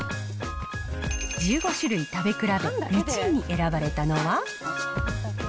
１５種類食べ比べ、１位に選ばれたのは？